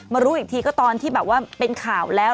รู้อีกทีก็ตอนที่แบบว่าเป็นข่าวแล้ว